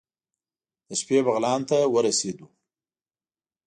د شپې بغلان ته ورسېدو.